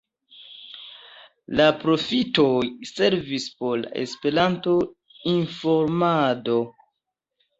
La profitoj servis por la Esperanto-informado.